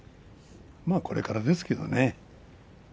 これからですけどね。